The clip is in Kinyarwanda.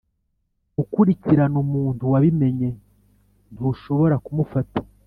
Gukurikirana umuntu wabimenye ntushobora ku mufata